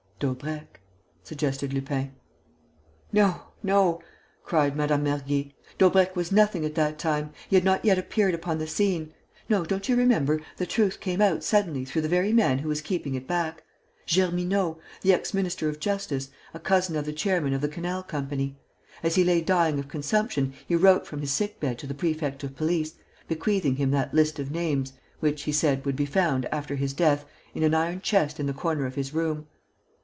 "Daubrecq," suggested Lupin. "No, no!" cried Madame Mergy. "Daubrecq was nothing at that time: he had not yet appeared upon the scene. No, don't you remember, the truth came out suddenly through the very man who was keeping it back: Germineaux, the ex minister of justice, a cousin of the chairman of the Canal Company. As he lay dying of consumption, he wrote from his sick bed to the prefect of police, bequeathing him that list of names, which, he said, would be found, after his death, in an iron chest in the corner of his room.